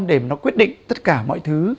để nó quyết định tất cả mọi thứ